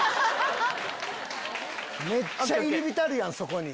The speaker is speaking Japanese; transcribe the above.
めっちゃ入り浸るやんそこに。